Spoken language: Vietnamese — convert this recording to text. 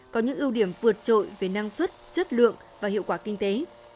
có những ưu điểm vượt trội về năng suất chất lượng và hiệu quả kinh tế